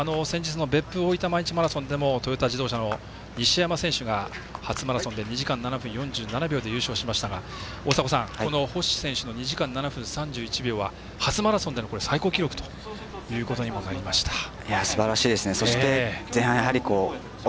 先日の別府大分毎日マラソンでもトヨタ自動車の西山選手が初マラソンで２時間７分４７秒で優勝しましたが星選手の２時間７分３１秒は初マラソンでの最高記録となりました。